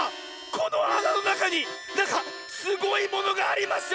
このあなのなかになんかすごいものがありますよ！